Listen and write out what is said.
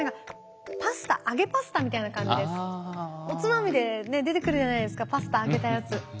おつまみでね出てくるじゃないですかパスタ揚げたやつ。